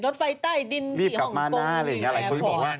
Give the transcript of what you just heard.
รถไฟใต้ดินที่ฮ่องกงแบบพี่บอกว่า